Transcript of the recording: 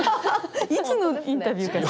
いつのインタビューかしら。